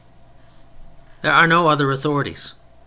There are no other authorities.